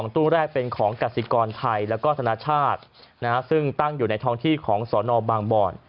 ตู้แรกเป็นของกสิกรไทยแล้วก็ธนชาติซึ่งตั้งอยู่ในท้องที่ของสนบางบ่อน